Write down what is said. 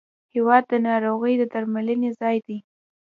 هېواد د ناروغ د درملنې ځای دی.